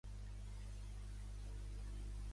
El noucentisme va estar representat per Eugeni d'Ors.